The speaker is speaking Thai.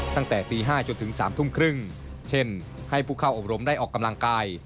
ตั้งแต่ตี๕จนถึง๓ทุ่มครึ่งเช่นให้ผู้เข้าอบรมได้ออกกำลังกาย